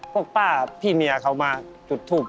ป้าพี่เมียเขามาจุดทูบ